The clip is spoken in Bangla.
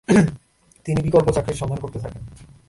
তিনি বিকল্প চাকরির সন্ধান করতে থাকেন ।